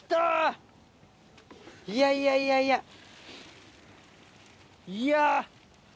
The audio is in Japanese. いやいやいやいや！